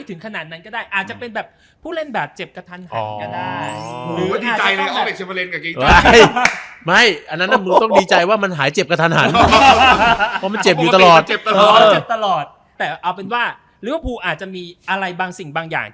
เอาเป็นว่าหรือว่าพูอาจจะมีอะไรบางสิ่งบางอย่าง